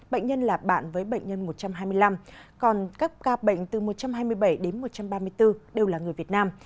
bệnh nhân là bạn với bệnh nhân một trăm hai mươi năm còn các ca bệnh từ một trăm hai mươi bảy đến một trăm ba mươi bốn đều là người việt nam